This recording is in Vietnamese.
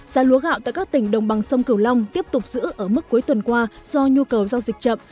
giá lúa gạo tại các tỉnh đồng bằng sông cửu long tiếp tục giữ ở mức cuối tuần qua do nhu cầu giao dịch chậm